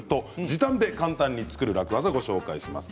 時短で簡単に作る楽ワザをご紹介します。